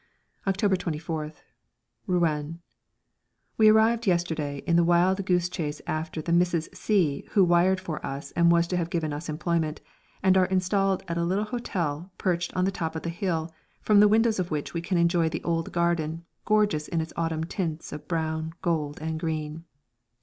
October 24th, Rouen. We arrived yesterday in the wild goose chase after the Mrs. C who wired for us and was to have given us employment, and are installed at a little hotel perched on the top of the hill, from the windows of which we can enjoy the old garden, gorgeous in its autumn tints of brown, gold and green.